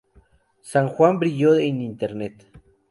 San Juan brilló en Internet.